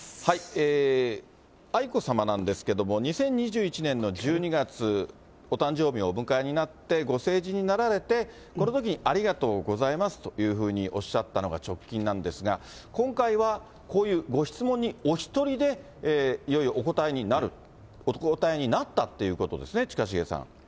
愛子さまなんですけれども、２０２１年の１２月、お誕生日をお迎えになって、ご成人になられて、このときにありがとうございますというふうにおっしゃったのが直近なんですが、今回は、こういうご質問にお１人で、いよいよお答えになる、お答えになったということですね、近重さん。